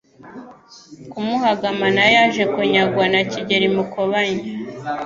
Kamuhagama nayo yaje kunyagwa na Kigeli Mukobanya.